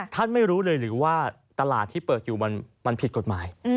ไม่รู้เลยหรือว่าตลาดที่เปิดอยู่มันผิดกฎหมาย